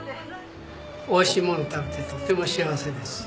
おいしいものを食べてとても幸せです。